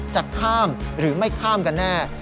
จะข้ามหรือไม่ข้ามกันแน่